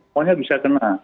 pokoknya bisa kena